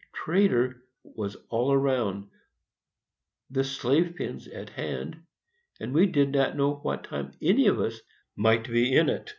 The trader was all around, the slave pens at hand, and we did not know what time any of us might be in it.